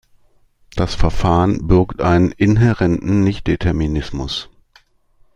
Das Verfahren birgt einen inhärenten Nichtdeterminismus.